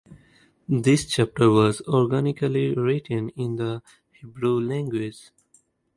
This chapter was originally written in the Hebrew language.